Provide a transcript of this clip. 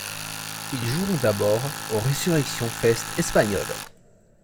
Ils joueront d'abord au Resurrection Fest espagnol.